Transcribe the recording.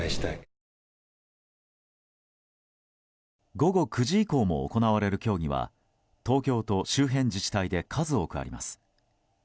午後９時以降も行われる競技は東京と周辺自治体で数多くあります。